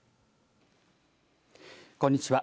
こんにちは。